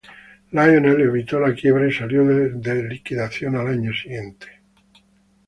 Lionel evitó la quiebra, y salió de liquidación al año siguiente.